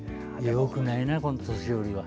よくないな、年寄りは。